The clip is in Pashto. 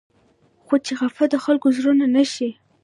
خو چې خفه د خلقو زړونه نه شي